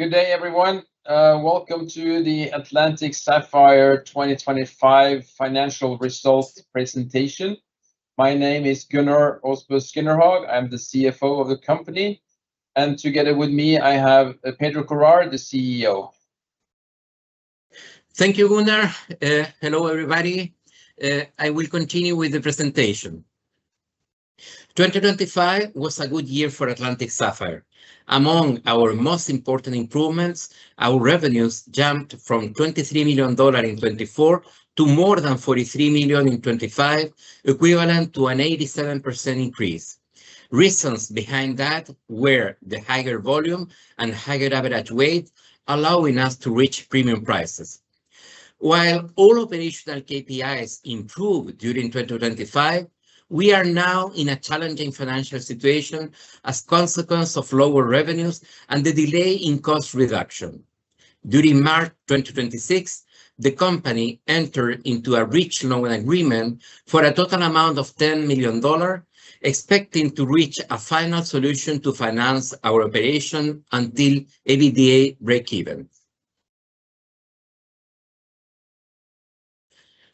Good day, everyone. Welcome to the Atlantic Sapphire 2025 Financial Results Presentation. My name is Gunnar Aasbø-Skinderhaug. I'm the CFO of the company, and together with me I have Pedro Courard, the CEO. Thank you, Gunnar. Hello everybody. I will continue with the presentation. 2025 was a good year for Atlantic Sapphire. Among our most important improvements, our revenues jumped from $23 million in 2024 to more than $43 million in 2025, equivalent to an 87% increase. Reasons behind that were the higher volume and higher average weight, allowing us to reach premium prices. While all operational KPIs improved during 2025, we are now in a challenging financial situation as consequence of lower revenues and the delay in cost reduction. During March 2026, the company entered into a bridge loan agreement for a total amount of $10 million, expecting to reach a final solution to finance our operation until EBITDA breakeven.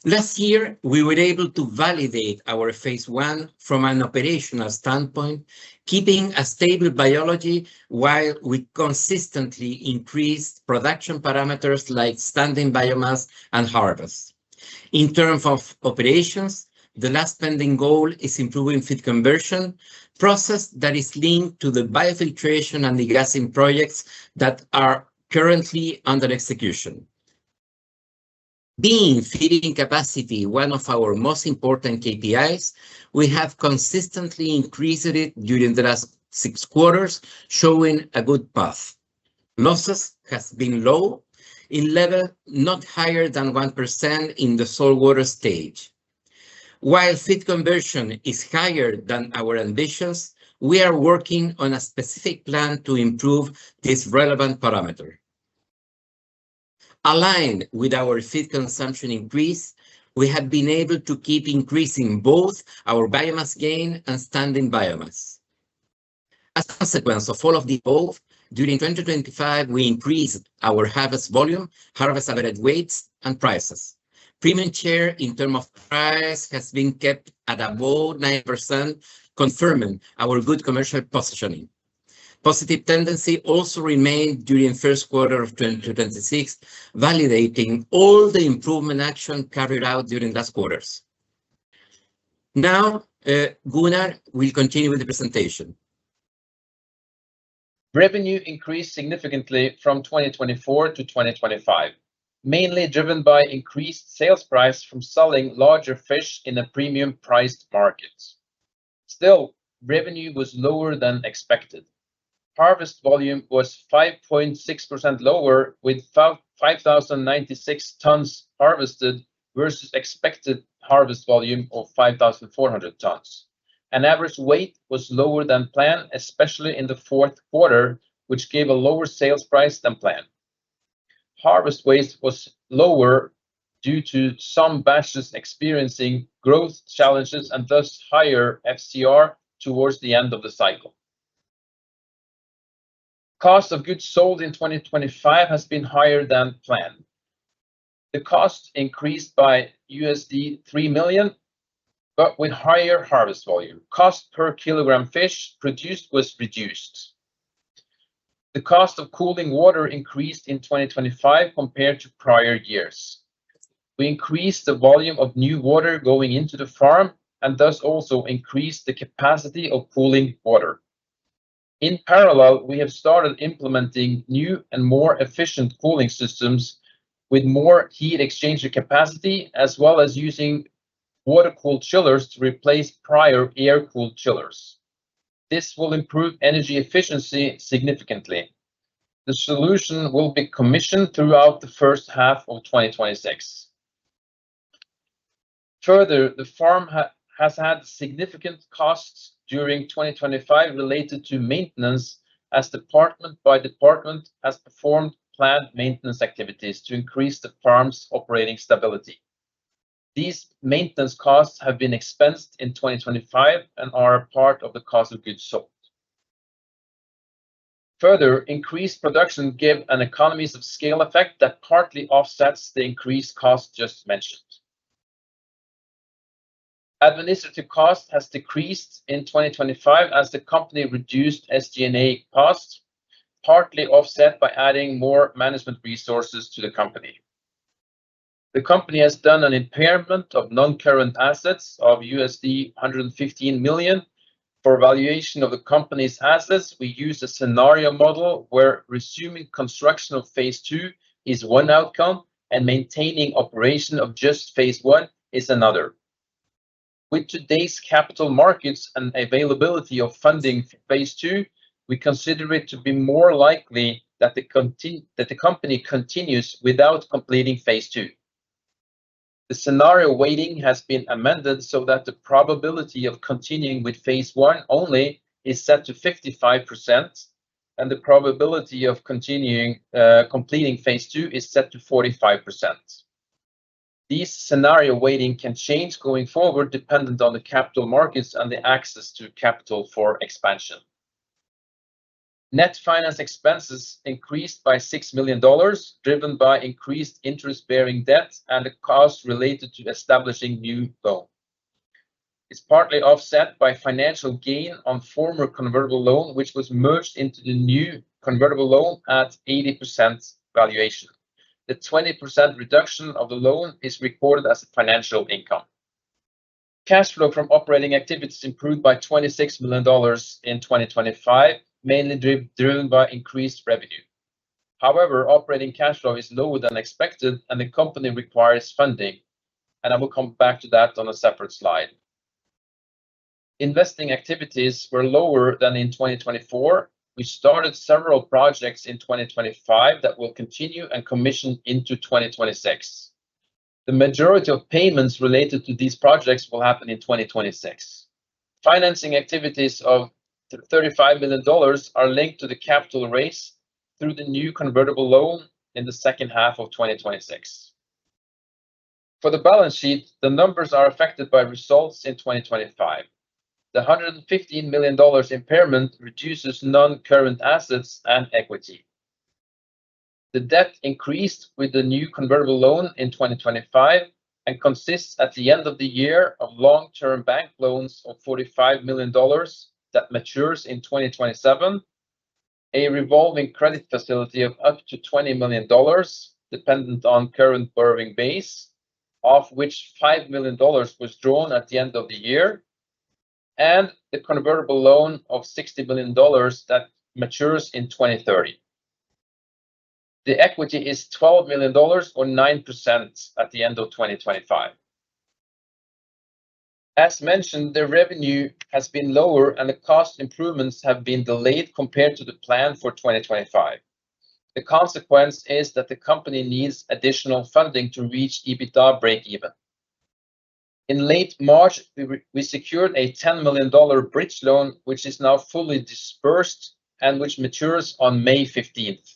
Last year, we were able to validate our phase I from an operational standpoint, keeping a stable biology while we consistently increased production parameters like standing biomass and harvest. In terms of operations, the last pending goal is improving feed conversion, process that is linked to the biofiltration and degassing projects that are currently under execution. Being feeding capacity one of our most important KPIs, we have consistently increased it during the last six quarters, showing a good path. Losses has been low, in level not higher than 1% in the saltwater stage. While feed conversion is higher than our ambitions, we are working on a specific plan to improve this relevant parameter. Aligned with our feed consumption increase, we have been able to keep increasing both our biomass gain and standing biomass. As a consequence of all of the above, during 2025 we increased our harvest volume, harvest average weights, and prices. Premium share in term of price has been kept at above 9%, confirming our good commercial positioning. Positive tendency also remained during Q1 of 2026, validating all the improvement action carried out during last quarters. Gunnar will continue with the presentation. Revenue increased significantly from 2024 to 2025, mainly driven by increased sales price from selling larger fish in a premium priced market. Revenue was lower than expected. Harvest volume was 5.6% lower with 5,096 tons harvested versus expected harvest volume of 5,400 tons. Average weight was lower than planned, especially in the Q4, which gave a lower sales price than planned. Harvest waste was lower due to some batches experiencing growth challenges and thus higher FCR towards the end of the cycle. Cost of goods sold in 2025 has been higher than planned. The cost increased by $3 million, with higher harvest volume. Cost per kilogram fish produced was reduced. The cost of cooling water increased in 2025 compared to prior years. We increased the volume of new water going into the farm, thus also increased the capacity of cooling water. In parallel, we have started implementing new and more efficient cooling systems with more heat exchanger capacity, as well as using water-cooled chillers to replace prior air-cooled chillers. This will improve energy efficiency significantly. The solution will be commissioned throughout the first half of 2026. The farm has had significant costs during 2025 related to maintenance as department by department has performed planned maintenance activities to increase the farm's operating stability. These maintenance costs have been expensed in 2025 and are part of the cost of goods sold. Increased production give an economies of scale effect that partly offsets the increased cost just mentioned. Administrative cost has decreased in 2025 as the company reduced SG&A costs, partly offset by adding more management resources to the company. The company has done an impairment of non-current assets of $115 million. For valuation of the company's assets, we used a scenario model where resuming construction of phase II is one outcome and maintaining operation of just phase I is another. With today's capital markets and availability of funding for phase II, we consider it to be more likely that the company continues without completing phase II. The scenario weighting has been amended so that the probability of continuing with phase I only is set to 55%, and the probability of completing phase II is set to 45%. These scenario weighting can change going forward dependent on the capital markets and the access to capital for expansion. Net finance expenses increased by $6 million, driven by increased interest-bearing debt and the cost related to establishing new loan. It's partly offset by financial gain on former convertible loan, which was merged into the new convertible loan at 80% valuation. The 20% reduction of the loan is recorded as financial income. Cash flow from operating activities improved by $26 million in 2025, mainly driven by increased revenue. Operating cash flow is lower than expected, and the company requires funding, and I will come back to that on a separate slide. Investing activities were lower than in 2024. We started several projects in 2025 that will continue and commission into 2026. The majority of payments related to these projects will happen in 2026. Financing activities of $35 million are linked to the capital raise through the new convertible loan in the second half of 2026. For the balance sheet, the numbers are affected by results in 2025. The $115 million impairment reduces non-current assets and equity. The debt increased with the new convertible loan in 2025 and consists, at the end of the year, of long-term bank loans of $45 million that matures in 2027, a revolving credit facility of up to $20 million dependent on current borrowing base, of which $5 million was drawn at the end of the year, and the convertible loan of $60 million that matures in 2030. The equity is $12 million or 9% at the end of 2025. As mentioned, the revenue has been lower, and the cost improvements have been delayed compared to the plan for 2025. The consequence is that the company needs additional funding to reach EBITDA breakeven. In late March, we secured a $10 million bridge loan, which is now fully dispersed and which matures on May 15th.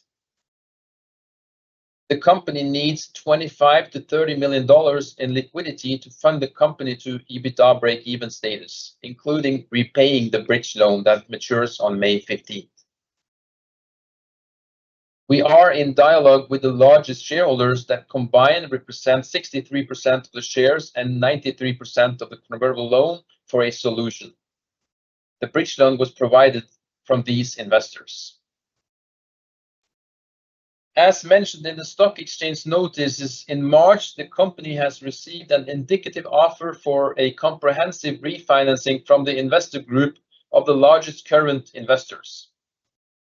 The company needs $25 million-$30 million in liquidity to fund the company to EBITDA breakeven status, including repaying the bridge loan that matures on May 15th. We are in dialogue with the largest shareholders that combined represent 63% of the shares and 93% of the convertible loan for a solution. The bridge loan was provided from these investors. As mentioned in the stock exchange notices in March, the company has received an indicative offer for a comprehensive refinancing from the investor group of the largest current investors.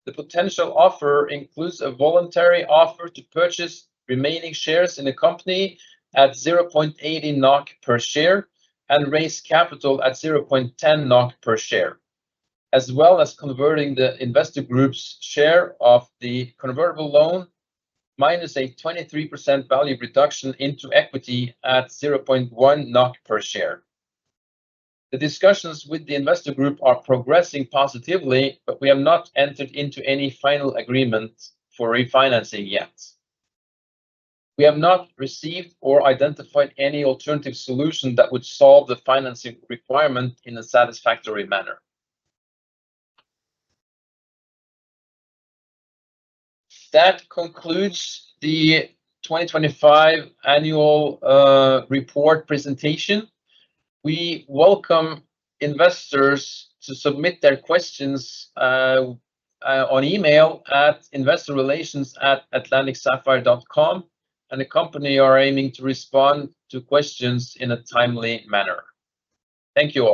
The potential offer includes a voluntary offer to purchase remaining shares in the company at 0.8 NOK per share and raise capital at 0.10 NOK per share, as well as converting the investor group's share of the convertible loan minus a 23% value reduction into equity at 0.1 NOK per share. The discussions with the investor group are progressing positively, but we have not entered into any final agreement for refinancing yet. We have not received or identified any alternative solution that would solve the financing requirement in a satisfactory manner. That concludes the 2025 annual report presentation. We welcome investors to submit their questions on email at investorrelations@atlanticsapphire.com, and Atlantic Sapphire are aiming to respond to questions in a timely manner. Thank you all